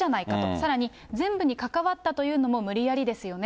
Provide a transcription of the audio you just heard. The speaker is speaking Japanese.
さらに、全部に関わったというのも無理やりですよね。